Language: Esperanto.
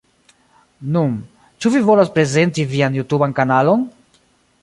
Nun, ĉu vi volas prezenti vian jutuban kanalon?